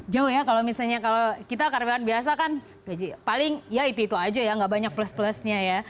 jauh ya kalau misalnya kalau kita karyawan biasa kan gaji paling ya itu itu aja ya nggak banyak plus plusnya ya